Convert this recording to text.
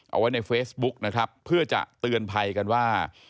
เอาไว้ในเฟซบุ๊กนะครับเพื่อจะเตือนภัยกันว่า